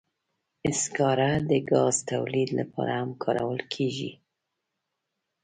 سکاره د ګاز تولید لپاره هم کارول کېږي.